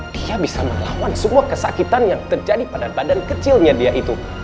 dia bisa melawan semua kesakitan yang terjadi pada badan kecilnya dia itu